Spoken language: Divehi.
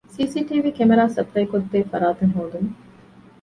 ސި.ސީ.ޓީވީ ކެމެރާ ސަޕްލައިކޮށްދޭ ފަރާތެއް ހޯދުމަށް